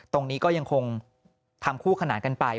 ตรงนี้ก็ยังคงทำคู่ขนานกันไป